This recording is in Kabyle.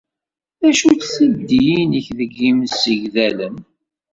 D acu-tt tiddi-nnek deg yimsegdalen?